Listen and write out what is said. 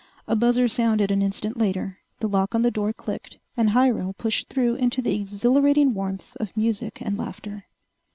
A buzzer sounded an instant later, the lock on the door clicked, and Hyrel pushed through into the exhilarating warmth of music and laughter.